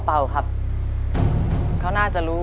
ปีหน้าหนูต้อง๖ขวบให้ได้นะลูก